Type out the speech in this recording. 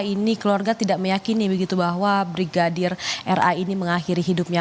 ini keluarga tidak meyakini begitu bahwa brigadir ra ini mengakhiri hidupnya